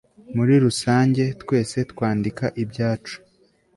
muri rusange, twese twandika ibyacu